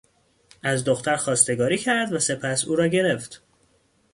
از دختر خواستگاری کرد و سپس او را گرفت.